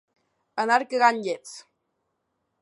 Anar cagant llets.